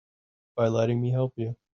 By letting me help you.